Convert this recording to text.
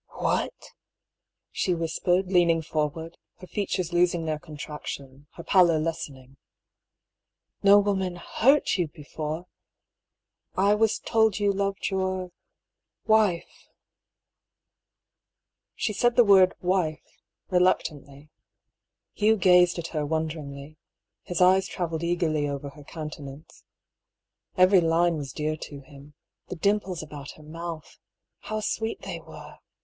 "What?" she whispered, leaning forward, her fea tures losing their contraction, her pallor lessening. " No woman hurt you before I I was told you loved your wife !" She said the word " wife " reluctantly. Hugh gazed at her wonderingly. His eyes travelled eagerly over her countenance. Every line was dear to him. The dim ples about her mouth — how sweet they were